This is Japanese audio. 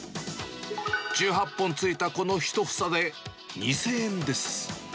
１８本ついたこの１房で、２０００円です。